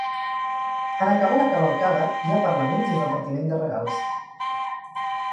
En acabar la cavalcada, hi ha parlaments i repartiment de regals.